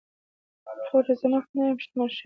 هغه وویل چې زه مفت نه یم شتمن شوی.